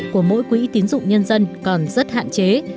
của mỗi quỹ tín dụng nhân dân còn rất hạn chế